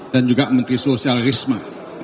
dan juga menteri sosial risma